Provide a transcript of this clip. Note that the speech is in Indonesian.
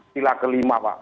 tila kelima pak